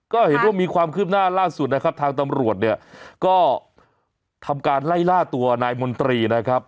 ก็เห็นว่ามีความคืบหน้าล่าสุดนะครับทางตำรวจเนี่ยก็ทำการไล่ล่าตัวนายมนตรีนะครับ